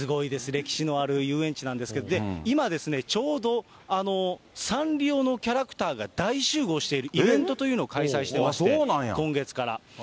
歴史のある遊園地なんですけど、今ですね、ちょうどサンリオのキャラクターが大集合しているイベントというのを開催してまして、今月から。